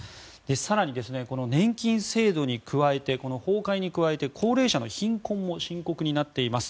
更に年金制度の崩壊に加えて高齢者の貧困も深刻になっています。